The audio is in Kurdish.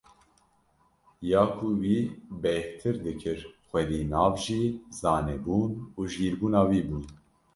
Ya ku wî bêhtir dikir xwedî nav jî zanebûn û jîrbûna wî bûn.